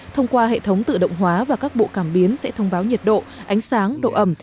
thông qua hệ thống tự động hóa và các bộ cảm biến sẽ thông báo nhiệt độ ánh sáng độ ẩm